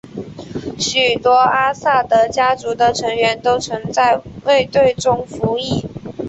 许多阿萨德家族的成员都曾在卫队中服役。